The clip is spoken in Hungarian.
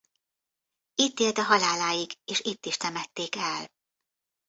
Itt élt a haláláig és itt is temették el.